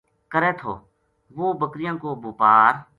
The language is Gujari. کرے تھو وہ بکریاں کو بوپار